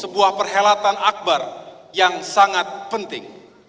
sebuah perhelatan akbar yang sangat penting